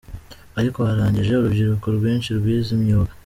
Ariko harangije urubyiruko rwinshi rwize imyuga.